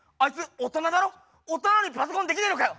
大人なのにパソコンできねえのかよ。